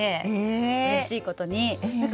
うれしいことに。